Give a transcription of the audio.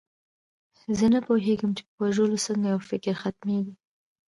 زه نه پوهېدم چې په وژلو څنګه یو فکر ختمیږي